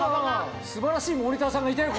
素晴らしいモニターさんがいたよ